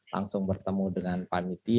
langsung bertemu dengan panitia